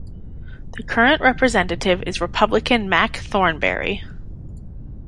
The current Representative is Republican Mac Thornberry.